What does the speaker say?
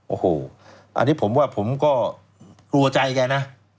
โอ้โหอันนี้ผมว่าผมก็กลัวใจแกนะ